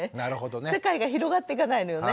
世界が広がっていかないのよね。